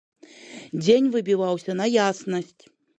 Дзень выбіваўся на яснасць.